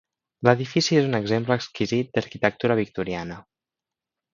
L'edifici és un exemple exquisit d'arquitectura victoriana.